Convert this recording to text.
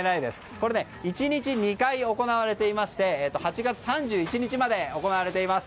これ１日２回行われていまして８月３１日まで行われています。